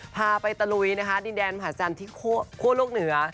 พาไปตะลุยดินแดนผ่านจันทร์ที่โคลกเหนือ